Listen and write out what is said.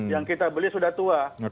yang kita beli sudah tua